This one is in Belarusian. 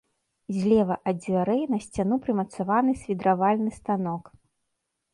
Злева ад дзвярэй на сцяну прымацаваны свідравальны станок.